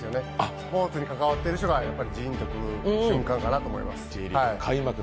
スポ−ツに関わってる人がジーンと来る瞬間かなと思います。